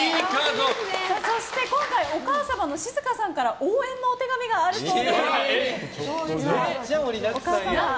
そして、今回お母様の静香さんから応援のお手紙があるそうです。